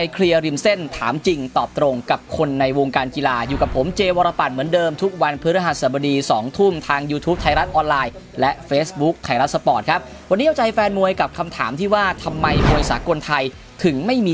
โปรงการมวยในบ้านเรานะวันนี้